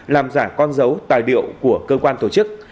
làm giả con dấu tài liệu của cơ quan tổ chức